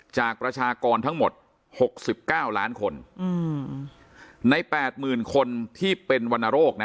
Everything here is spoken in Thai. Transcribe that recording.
ประชากรทั้งหมดหกสิบเก้าล้านคนอืมในแปดหมื่นคนที่เป็นวรรณโรคนะ